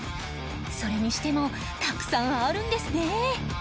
それにしてもたくさんあるんですね